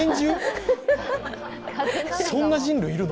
そんな人類いるの！？